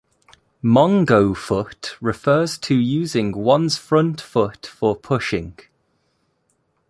Mongo foot refers to using one's front foot for pushing.